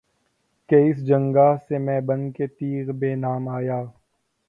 کہ اس جنگاہ سے میں بن کے تیغ بے نیام آیا